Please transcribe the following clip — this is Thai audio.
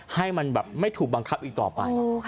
ให้มันแบบไม่ถูกบังคับอีกต่อไป